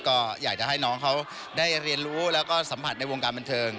ก็อยากจะให้น้องเขาได้เรียนรู้แล้วก็สัมผัสในวงการบันเทิง